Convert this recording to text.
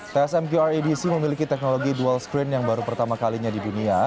tsm qr adc memiliki teknologi dual screen yang baru pertama kalinya di dunia